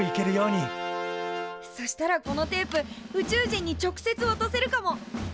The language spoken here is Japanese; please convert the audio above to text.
そしたらこのテープ宇宙人に直接わたせるかも。